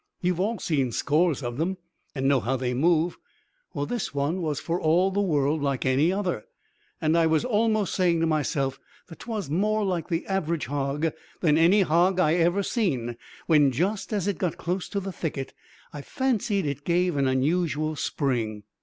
You've all seen scores of them, and know how they move. Well, this one was for all the world like any other, and I was almost saying to myself that'twas more like the average hog than any hog I'd ever seen, when just as it got close to the thicket I fancied it gave an unusual spring.